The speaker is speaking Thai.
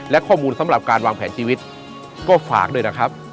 และข้อมูลสำหรับการวางแผนชีวิตก็ฝากด้วยนะครับ